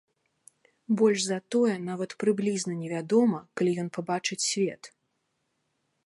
Больш за тое, нават прыблізна невядома, калі ён пабачыць свет.